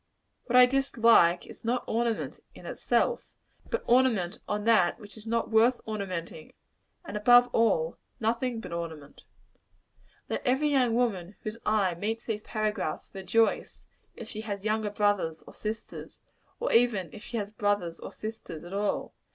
What I dislike is, not ornament, in itself, but ornament on that which is not worth ornamenting; and above all, nothing but ornament. Let every young woman whose eye meets these paragraphs, rejoice, if she has younger brothers or sisters or even if she has brothers or sisters at all.